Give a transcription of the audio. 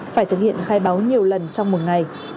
phải thực hiện khai báo nhiều lần trong một ngày